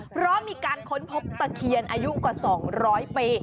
เพราะมีการค้นพบตะเคียนอายุกว่า๒๐๐ปี